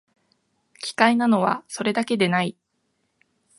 奇怪なのは、それだけでない